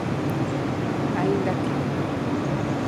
Aínda que…